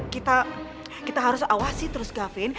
kita harus awasi terus gavin